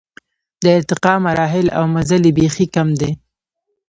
د ارتقا مراحل او مزل یې بېخي کم دی.